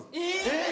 えっ！